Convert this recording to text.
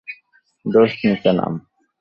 দোস্ত, নিচে নাম।